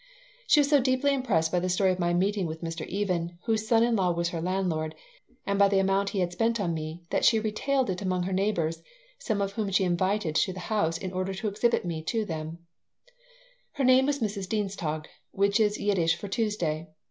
She was so deeply impressed by the story of my meeting with Mr. Even, whose son in law was her landlord, and by the amount he had spent on me that she retailed it among her neighbors, some of whom she invited to the house in order to exhibit me to them Her name was Mrs. Dienstog, which is Yiddish for Tuesday.